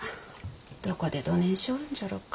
どこでどねんしょうるんじゃろうか。